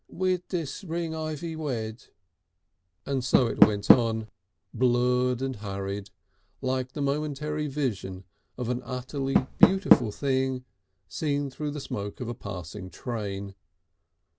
'" "Withis ring Ivy wed " So it went on, blurred and hurried, like the momentary vision of an utterly beautiful thing seen through the smoke of a passing train....